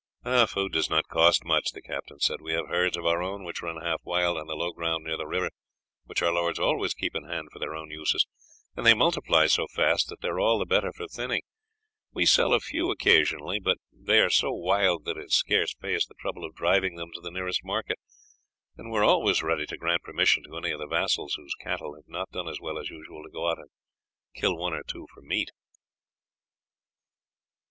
"Food does not cost much," the captain said; "we have herds of our own which run half wild on the low ground near the river, which our lords always keep in hand for their own uses, and they multiply so fast that they are all the better for thinning; we sell a few occasionally, but they are so wild that it scarce pays the trouble of driving them to the nearest market, and we are always ready to grant permission to any of the vassals, whose cattle have not done as well as usual, to go out and kill one or two for meat."